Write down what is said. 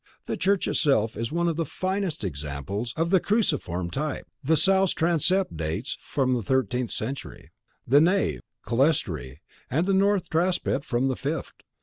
The church itself is one of the finest examples of the cruciform type. The south transept dates from the thirteenth century; the nave, clerestory, and north transept from the fifth.